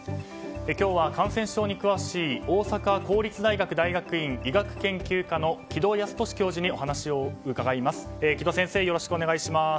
今日は感染症に詳しい大阪公立大学大学院医学研究科の城戸康年教授にお話を伺います。